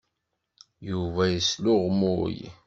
Yuba yesluɣmuy.